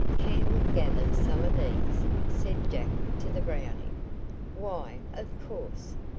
"Can we gather some of these?" said Jack to the Brownie. "Why, of course.